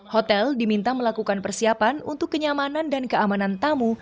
hotel diminta melakukan persiapan untuk kenyamanan dan keamanan tamu